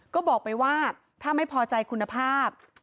ก็บอกไปว่าถ้าไม่พอใจคุณภาพ